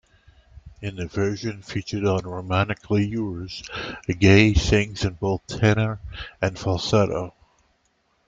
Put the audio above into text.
In the version featured on "Romantically Yours", Gaye sings in both tenor and falsetto.